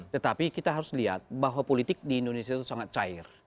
tetapi kita harus lihat bahwa politik di indonesia itu sangat cair